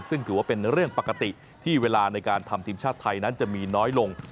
ซึ่งถือว่าเป็นเรื่องปกติที่เวลาในการทำทีมชาติไทยนั้นจะมีน้อยลง